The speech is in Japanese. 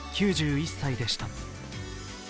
９１歳でした。